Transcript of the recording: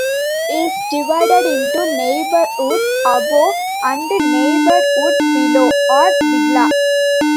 Is divided into 'neighborhood above' and 'neighborhood below' or 'Vilga'.